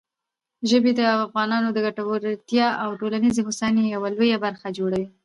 ژبې د افغانانو د ګټورتیا او ټولنیزې هوساینې یوه لویه برخه جوړوي.